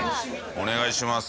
お願いします。